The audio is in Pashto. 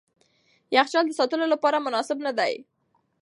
یخچال د ساتلو لپاره مناسب نه دی.